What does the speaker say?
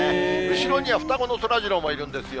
後ろには双子のそらジローもいるんですよ。